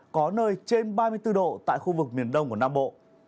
có nơi trên ba mươi bốn độ tại khu vực miền đông của nam bộ